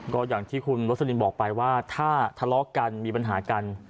ก็อย่างที่คุณรสลินบอกไปว่าถ้าทะเลาะกันมีปัญหากัน